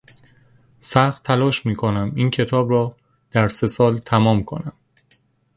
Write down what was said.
سخت تلاش میکنم این کتاب را در سه سال تمام کنم.